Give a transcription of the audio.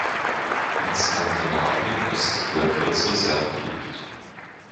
In Skandinavien ist Lakritze sehr beliebt.